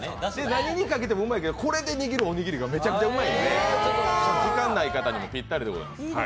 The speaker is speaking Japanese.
何にかけてもうまいけど、これで握るおにぎりがめちゃくちゃうまいんで時間ない方にもぴったりです。